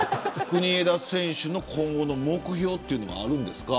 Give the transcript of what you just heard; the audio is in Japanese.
国枝選手の今後の目標はあるんですか。